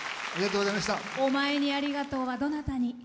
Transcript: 「おまえにありがとう」はどなたに？